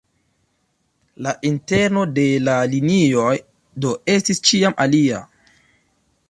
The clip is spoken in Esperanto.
La interno de la linioj do estis ĉiam alia.